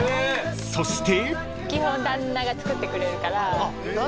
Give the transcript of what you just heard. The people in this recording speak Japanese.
［そして］